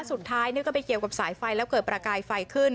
สุดท้ายนี่ก็ไปเกี่ยวกับสายไฟแล้วเกิดประกายไฟขึ้น